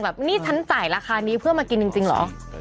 นี่ฉันจ่ายราคานี้เพื่อมากินจริงเหรอ